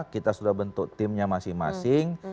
kita sudah bentuk timnya masing masing